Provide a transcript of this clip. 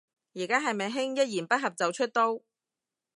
而家係咪興一言不合就出刀